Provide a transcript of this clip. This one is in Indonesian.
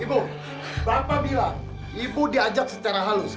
ibu bapak bilang ibu diajak secara halus